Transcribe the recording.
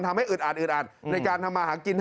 ทำให้อึดอัดในการทำอาหารกิน